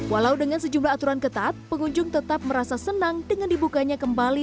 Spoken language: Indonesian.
walau dengan sejumlah aturan ketat pengunjung tetap merasa senang dengan dibukanya kembali